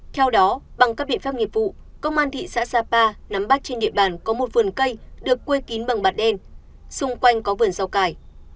theo đó bằng các biện pháp nghiệp vụ công an thị xã sapa nắm bắt trên địa bàn có một vườn cây được quây kín bằng bạt đen xung quanh có vườn rau cải